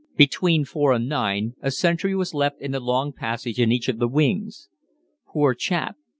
Between 4 and 9 a sentry was left in the long passage in each of the wings. Poor chap!